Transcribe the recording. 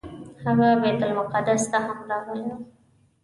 هغه بیت المقدس ته هم راغلی و.